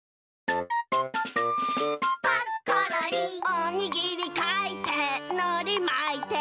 「おにぎりかいてのりまいて」